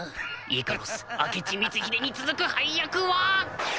イカロス明智光秀に続く配役は！